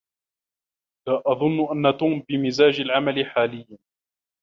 لا أظن أن توم بمزاج العمل حاليا.